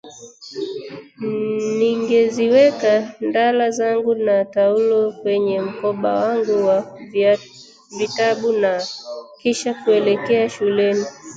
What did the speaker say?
Ningeziweka ndala zangu na taulo kwenye mkoba wangu wa vitabu na kisha kuelekea shuleni